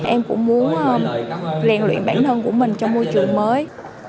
em cũng muốn rèn luyện bản thân của mình trong môi trường mới